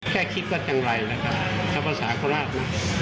แค่คิดว่าจังไรนะคะทรัพย์ศาสตร์โคราชนะ